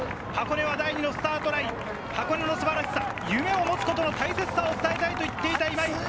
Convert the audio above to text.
箱根は第二のスタートライン、箱根のすばらしさ、夢を持つことの大切さを伝えたいと言っていた今井。